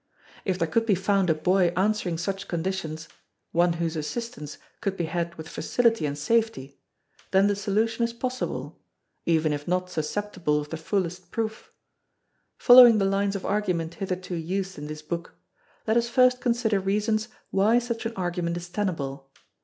If there could be found a boy answering such conditions one whose assistance could be had with facility and safety then the solution is possible, even if not susceptible of the fullest proof. Following the lines of argument hitherto used in this book, let us first consider reasons why such an argument is tenable.